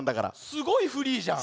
すごいフリーじゃん。